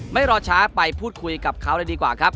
ไม่รอช้าไปพูดคุยกับเขาเลยดีกว่าครับ